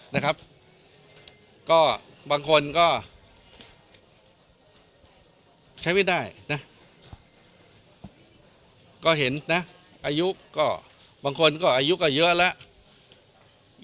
นะครับก็บางคนก็ใช้ไม่ได้นะก็เห็นนะอายุก็บางคนก็อายุก็เยอะแล้ว